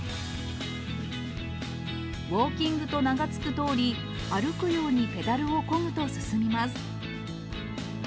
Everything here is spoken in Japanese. ウォーキングと名が付くとおり、歩くようにペダルをこぐと進みます。